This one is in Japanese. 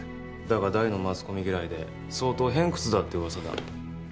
だが大のマスコミ嫌いで相当偏屈だってうわさだ。